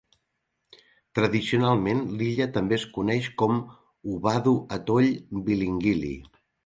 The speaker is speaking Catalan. Tradicionalment l'illa també és coneix com "Huvadu Atoll Vilingili".